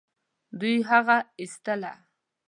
دوی هغه ايستله.